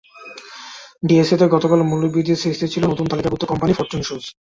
ডিএসইতে গতকাল মূল্য বৃদ্ধির শীর্ষে ছিল নতুন তালিকাভুক্ত কোম্পানি ফরচুন সুজ।